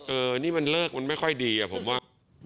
เออนี่มันเลิกมันไม่ค่อยดีอะผมว่า